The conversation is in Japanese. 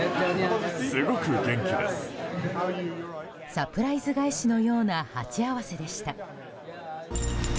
サプライス返しのような鉢合わせでした。